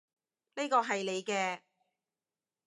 呢個係你嘅